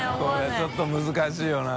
ちょっと難しいよな。